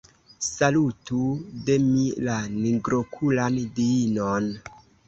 Salutu de mi la nigrokulan diinon.